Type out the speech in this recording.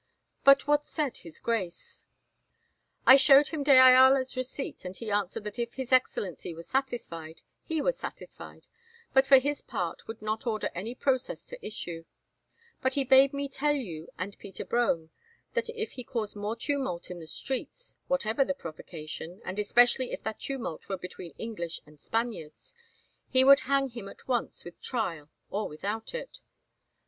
"But what said his Grace?" "I showed him de Ayala's receipt, and he answered that if his Excellency was satisfied, he was satisfied, and for his part would not order any process to issue; but he bade me tell you and Peter Brome that if he caused more tumult in his streets, whatever the provocation, and especially if that tumult were between English and Spaniards, he would hang him at once with trial or without it.